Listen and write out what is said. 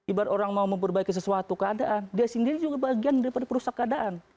ibarat orang mau memperbaiki sesuatu keadaan dia sendiri juga bagian daripada perusahaan keadaan